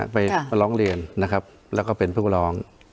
ไปร้องเรียนนะครับแล้วก็เป็นผู้ร้อง